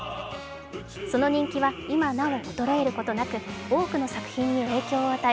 その人気は今なお衰えることなく多くの作品に影響を与え